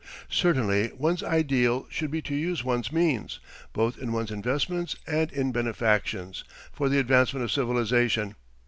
Certainly one's ideal should be to use one's means, both in one's investments and in benefactions, for the advancement of civilization.